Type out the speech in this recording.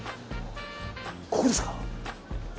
ここですか。